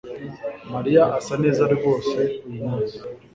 Mariya asa neza rwose uyumunsi